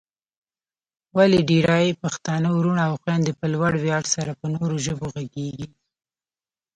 ولې ډېرای پښتانه وروڼه او خويندې په لوړ ویاړ سره په نورو ژبو غږېږي؟